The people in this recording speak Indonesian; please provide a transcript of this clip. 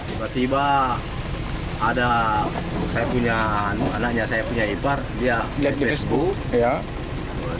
tiba tiba ada anaknya saya punya ipar dia di facebook